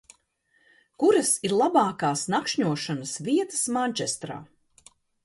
Kuras ir labākās nakšņošanas vietas Mančestrā?